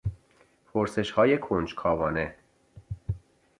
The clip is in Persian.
پرسشهای کنجکاوانه